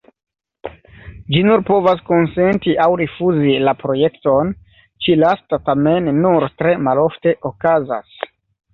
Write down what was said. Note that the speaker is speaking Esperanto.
Ĝi nur povas konsenti aŭ rifuzi la projekton; ĉi-lasta tamen nur tre malofte okazas.